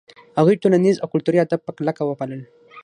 هغوی ټولنیز او کلتوري آداب په کلکه وپالـل.